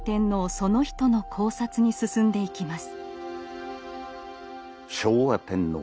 その人の考察に進んでいきます。